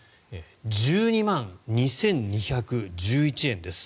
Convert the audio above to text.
１２万２２１１円です。